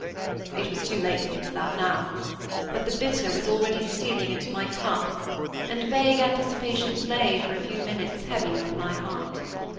It was too late to think of that now; but the bitter was already stealing into my cup; and vague anticipations lay, for a few minutes, heavy on my heart.